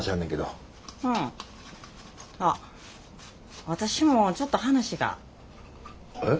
あっ私もちょっと話が。え？